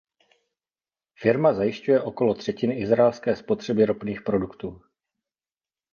Firma zajišťuje okolo třetiny izraelské spotřeby ropných produktů.